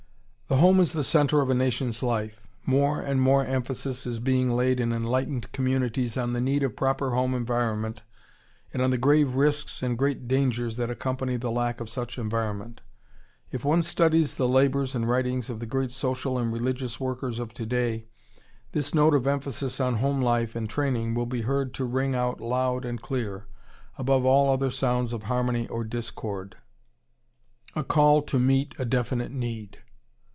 ] The home is the centre of a nation's life. More and more emphasis is being laid in enlightened communities on the need of proper home environment and on the grave risks and great dangers that accompany the lack of such environment. If one studies the labors and writings of the great social and religious workers of today, this note of emphasis on home life and training will be heard to ring out loud and clear, above all other sounds of harmony or discord, a call to meet a definite need.